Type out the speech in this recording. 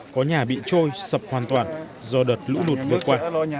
có nhà bị trôi sập hoàn toàn do đợt lũ lụt vừa qua